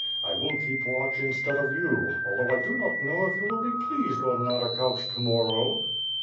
I will keep watch instead of you, although I do not know if you will be pleased on that account to morow."